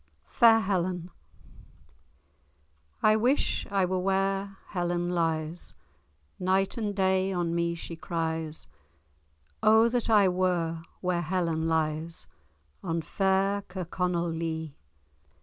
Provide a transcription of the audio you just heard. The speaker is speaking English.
*FAIR HELEN* I wish I were where Helen lies; Night and day on me she cries; O that I were where Helen lies, On fair Kirkconnell Lee!